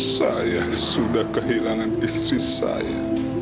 saya sudah kehilangan istri saya